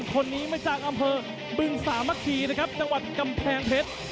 คนนี้มาจากอำเภอบึงสามัคคีจังหวัดกำแพงเผ็ด